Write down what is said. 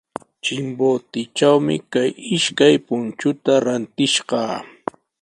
Chimbotetrawmi kay ishkay punchuta rantishqaa.